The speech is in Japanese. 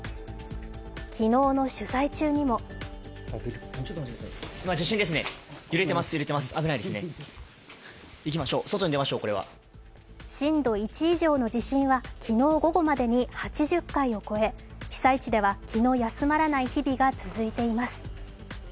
昨日の取材中にも震度１以上の地震は昨日午後までに８０回を超え被災地では気の休まらない日々が続いています。